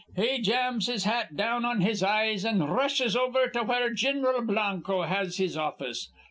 He jams his hat down on his eyes, an' r rushes over to where Gin'ral Blanco has his office.